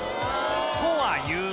とはいう